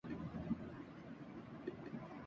کلام ، عَرُوض ، تغزل ، خیال ، ذوق ، جمال